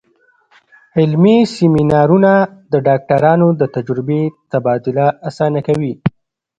علمي سیمینارونه د ډاکټرانو د تجربې تبادله اسانه کوي.